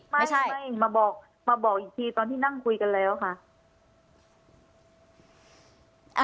ไม่มาบอกมาบอกอีกทีตอนที่นั่งคุยกันแล้วค่ะ